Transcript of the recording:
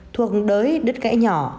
thuộc đới đất gãy nhỏ